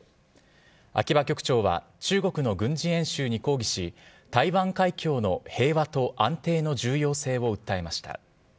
秋葉局長は中国の軍事演習に抗議し台湾海峡の平和と安定の重要性を訴えました。